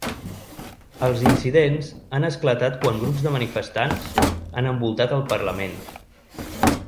Els incidents han esclatat quan grups de manifestants han envoltat el parlament.